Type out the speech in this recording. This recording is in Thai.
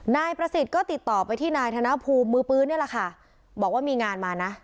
นายประสิทธิ์ก็ติดต่อไปที่นายธนภูมิมือปืนนี่แหละค่ะบอกว่ามีงานมานะ